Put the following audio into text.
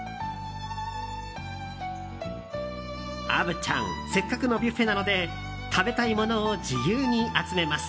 虻ちゃんせっかくのビュッフェなので食べたいものを自由に集めます。